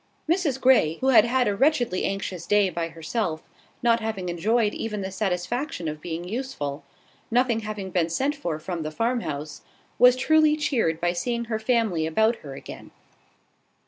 Mrs Grey, who had had a wretchedly anxious day by herself, not having enjoyed even the satisfaction of being useful, nothing having been sent for from the farmhouse, was truly cheered by seeing her family about her again.